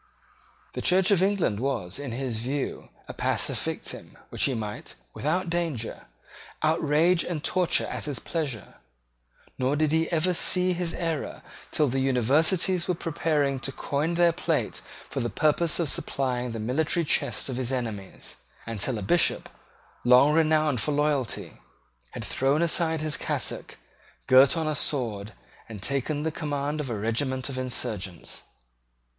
The Church of England was, in his view, a passive victim, which he might, without danger, outrage and torture at his pleasure; nor did he ever see his error till the Universities were preparing to coin their plate for the purpose of supplying the military chest of his enemies, and till a Bishop, long renowned for loyalty, had thrown aside his cassock, girt on a sword, and taken the command of a regiment of insurgents.